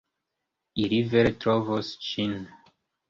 Ili vere trovos ĝin.